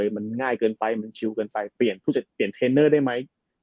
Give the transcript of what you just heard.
มันง่ายเกินไปมันชิ้วเกินไปเปลี่ยนเตรนเนอร์ได้ไหม